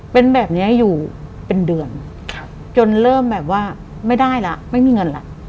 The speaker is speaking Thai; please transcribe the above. เป็นแบบนี้อยู่เป็นเดือนจนเริ่มแบบว่าไม่ได้แล้วไม่มีเงินแล้ว